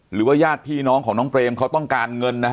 ญาติพี่น้องของน้องเปรมเขาต้องการเงินนะฮะ